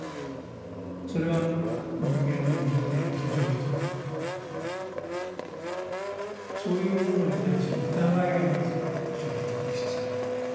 それは人間の持っている不条理とかそういうものに対する疑いがまず生じてくる必要がある。